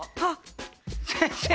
先生！